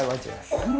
これ。